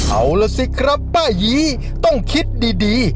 เอาล่ะสิครับป้ายีต้องคิดดี